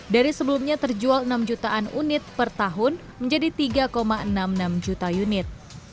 dari sebelumnya terjual enam jutaan unit per tahun menjadi tiga enam puluh enam juta unit